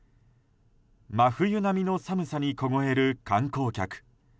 真冬並みの寒さに凍える観光客。